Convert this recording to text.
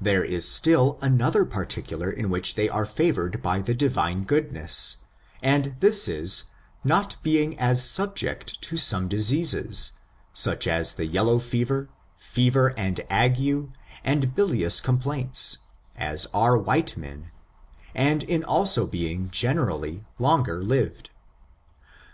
There is still another particular in which they are favored by the Divine goodness, and this is, not be ing as subject to some diseases — such as the yellow fever, fever and ague, and bilious complaints — as are white men, and in also being generally longer livedo F0KTUNE8, OF THE NEGRO RACE.